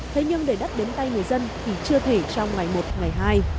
thế nhưng để đất đến tay người dân thì chưa thể trong ngày một ngày hai